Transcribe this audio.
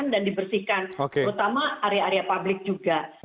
dibersihkan terutama area area publik juga